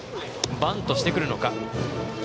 バントしてくるのか。